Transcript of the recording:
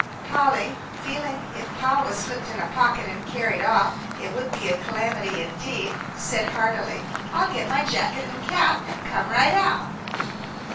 Polly, feeling, if Pa were slipped in a pocket and carried off, it would be a calamity indeed, said heartily, "I'll get my jacket and cap and come right out."